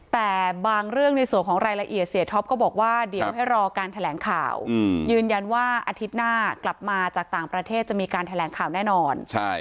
แต่บางเรื่องในส่วนของรายละเอียดเสียท็อปก็บอกว่าเดี๋ยวให้รอการแถลงข่าวยืนยันว่าอาทิตย์หน้ากลับมาจากต่างประเทศจะมีการแถลงข่าวแน่นอน